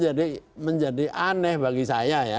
menjadi aneh bagi saya ya